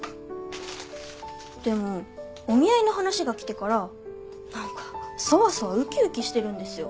でもお見合いの話が来てから何かそわそわ浮き浮きしてるんですよ。